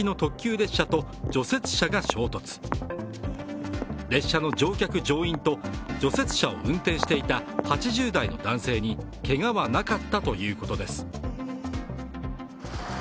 列車の乗客・乗員と除雪車を運転していた８０代の男性にけがはなかったということです。